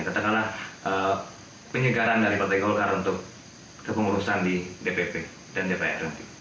katakanlah penyegaran dari partai golkar untuk kepengurusan di dpp dan dpr nanti